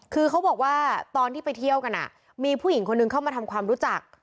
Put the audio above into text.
คือเขาบอกว่าตอนที่ไปเที่ยวกันมีผู้หญิงคนนึงเข้ามาทำความรู้จัก